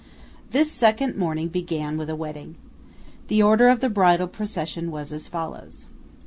This second morning began with a wedding. The order of the bridal procession was as follows.